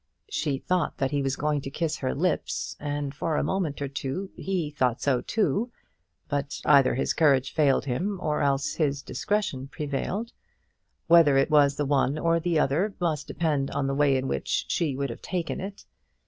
She thought that he was going to kiss her lips, and for a moment or two he thought so too; but either his courage failed him or else his discretion prevailed. Whether it was the one or the other, must depend on the way in which she would have taken it.